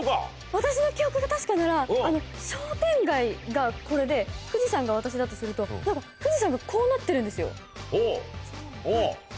私の記憶が確かなら商店街がこれで富士山が私だとすると富士山がこうなってるんですよ。